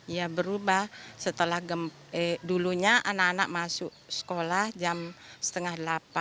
ya berubah setelah dulunya anak anak masuk sekolah jam setengah delapan